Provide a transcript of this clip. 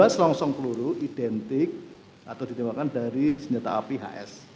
dua selongsong peluru identik atau ditembakkan dari senjata api hs